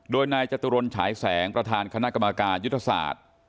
โดยนายจตุรนฉายแสงประธานคณะกรรมการยุทธศาสตร์